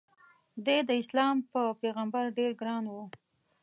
د ی داسلام په پیغمبر ډېر ګران و.